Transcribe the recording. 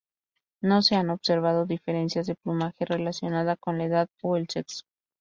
No se han observado diferencias de plumaje relacionada con la edad o el sexo.